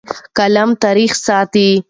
قلم تاریخ ساتي.